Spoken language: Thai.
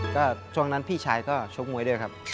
ก็ช่วงนั้นพี่ชายก็ชกมวยด้วยครับ